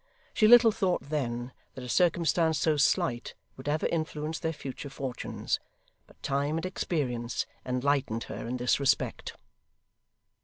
She little thought then, that a circumstance so slight would ever influence their future fortunes; but time and experience enlightened her in this respect.